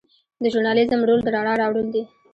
د ژورنالیزم رول د رڼا راوړل دي.